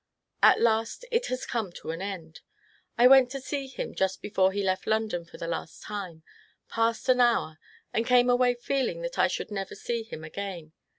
At last it has come to an end. I went to see him just before he left London for the last time, passed an hour, and came away feeling that I should never see him again.